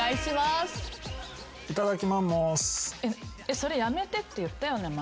それやめてって言ったよね前。